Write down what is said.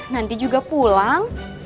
nanti juga pulang